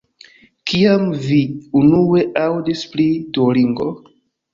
Kiam vi unue aŭdis pri Duolingo?